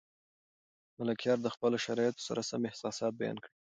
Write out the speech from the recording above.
ملکیار د خپلو شرایطو سره سم احساسات بیان کړي.